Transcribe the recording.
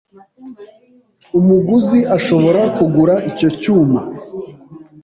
Umuguzi ashobora kugura icyo cyuma